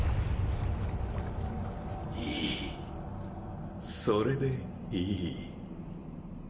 いいそれでいい。